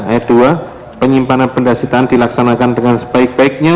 ayat dua penyimpanan pendasitaan dilaksanakan dengan sebaik baiknya